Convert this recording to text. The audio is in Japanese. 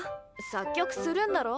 作曲するんだろ？